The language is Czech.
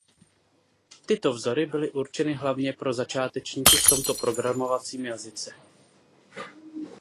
Tyto vzory byly určeny hlavně pro začátečníky v tomto programovacím jazyce.